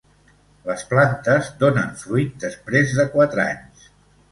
Les plantes donen fruit després de quatre anys.